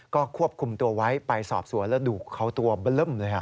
ก็ควบคุมตัวไว้ไปสอบสวนแล้วดูเขาตัวเบล่มเลย